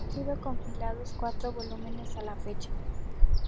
Han sido compilados cuatro volúmenes a la fecha.